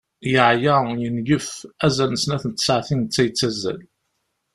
Yeɛya, yengef, azal n snat n tsaɛtin netta yettazzal.